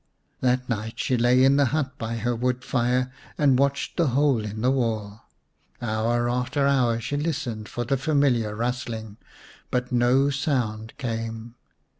That night she lay in the hut by her wood fire and watched the hole in the wall. Hour after hour she listened for the familiar rustling, but no sound came.